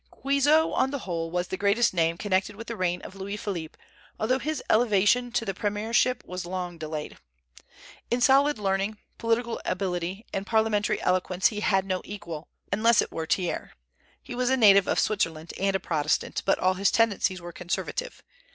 Guizot, on the whole, was the greatest name connected with the reign of Louis Philippe, although his elevation to the premiership was long delayed. In solid learning, political ability, and parliamentary eloquence he had no equal, unless it were Thiers. He was a native of Switzerland, and a Protestant; but all his tendencies were conservative.